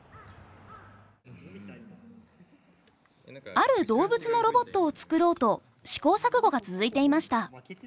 ある動物のロボットを作ろうと試行錯誤が続いていました。